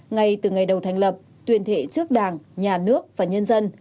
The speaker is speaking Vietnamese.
ngay từ ngày đầu thành lập tuyên thệ trước đảng nhà nước và nhân dân